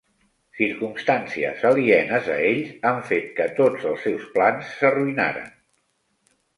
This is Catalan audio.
Circumstàncies alienes a ells han fet que tots els seus plans s'arruïnaren